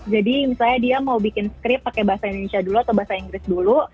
jadi misalnya dia mau bikin script pakai bahasa indonesia dulu atau bahasa inggris dulu